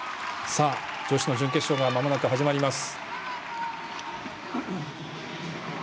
女子の準決勝がまもなく始まります。